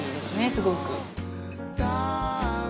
すごく。